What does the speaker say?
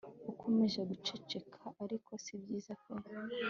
ukomeje guceceka ariko sibyiza pe